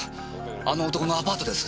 あの男のアパートです。